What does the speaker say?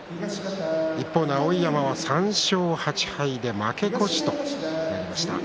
一方の碧山は３勝８敗で負け越しとなりました。